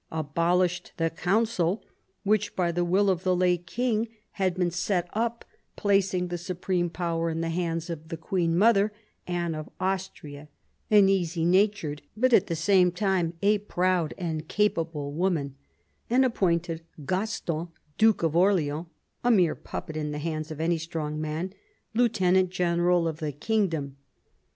abolished the council which by the will of the late king had been set up, placed the supreme power in the hands of the queen mother, Anne of Austria, an easy natured but at the same time a proud and capable woman, and appointed Gaston, Duke of Orleans — a mere puppet in the hands of any strong man — lieutenant general of the kingdom.